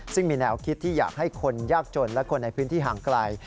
ซึ่งมีแนวคิดที่อยากให้คนยากจนและคนในพื้นที่ห่างไกล